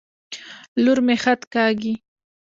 لور مي خط کاږي.